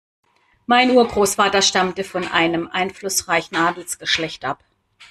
Mein Urgroßvater stammte von einem einflussreichen Adelsgeschlecht ab.